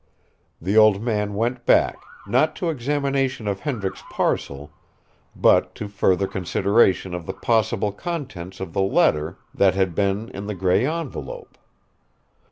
The old man went back, not to examination of Hendricks' parcel, but to further consideration of the possible contents of the letter that had been in the grey envelope.